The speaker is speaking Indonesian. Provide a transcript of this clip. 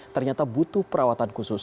ternyata butuh perawatan khusus